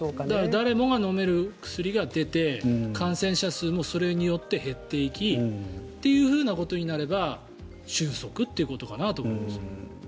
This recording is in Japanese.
誰もが飲める薬が出て感染者数もそれによって減っていきということになれば収束ということかなと思います。